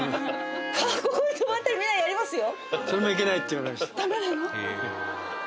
ここに止まったらみんなやりますよ。